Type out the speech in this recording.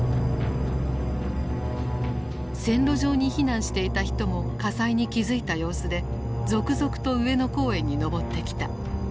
線路上に避難していた人も火災に気付いた様子で続々と上野公園に登ってきた。